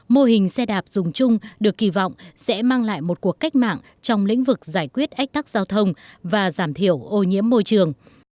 mô hình xe đạp dùng chung được kỳ vọng sẽ mang lại một cuộc cách mạng trong lĩnh vực giải quyết ách tắc giao thông và giảm thiểu ô nhiễm môi trường